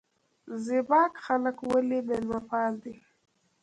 زیباک خلک ولې میلمه پال دي؟